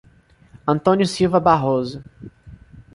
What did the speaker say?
Antônio Silva Barroso